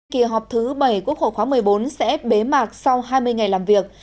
kỳ họp thứ bảy quốc hội khóa một mươi bốn sẽ bế mạc sau hai mươi ngày làm việc